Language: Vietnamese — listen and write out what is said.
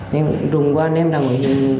ném cũng rùng qua ném ra ngoài